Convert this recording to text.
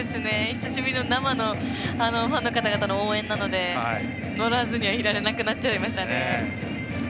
久しぶりの生のファンの方々の応援なので乗らずにはいられなくなっちゃいましたね。